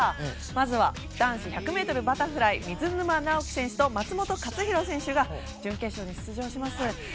まずは、男子１００ｍバタフライ水沼尚輝選手と松元克央選手が準決勝に出場します。